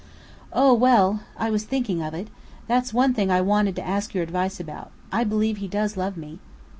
"Oh! well I was thinking of it. That's one thing I wanted to ask your advice about. I believe he does love me."